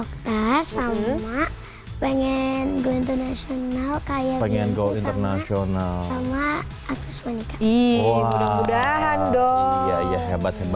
kita mau jadi dokter sama bloody mak pengen go international kalian goin nasional mama